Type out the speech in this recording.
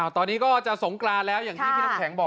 ตอนนี้ก็จะสงกรานแล้วอย่างที่พี่น้ำแข็งบอก